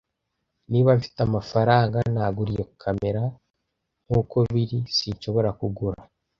Niba mfite amafaranga, nagura iyo kamera. Nkuko biri, sinshobora kugura.